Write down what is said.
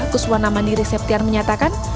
kuswana mandi reseptian menyatakan